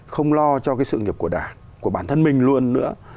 không lo cho cái sự nghiệp của đảng của bản thân mình luôn nữa